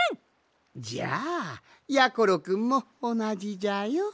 じゃあやころくんもおなじじゃよ。